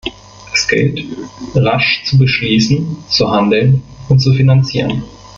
Es gilt, rasch zu beschließen, zu handeln und zu finanzieren.